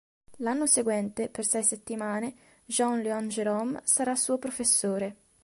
L'anno seguente, per sei settimane, Jean-Léon Gérôme sarà suo professore.